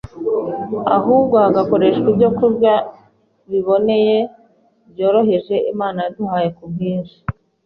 ahubwo hagakoreshwa ibyokurya biboneye, byoroheje, Imana yaduhaye ku bwinshi.